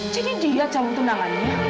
jadi dia cowok tunangannya